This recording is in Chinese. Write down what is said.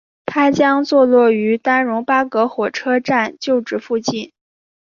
它将坐落于丹戎巴葛火车站旧址附近。